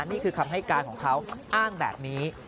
นี่คือคำให้การของเขาอ้างแบบนี้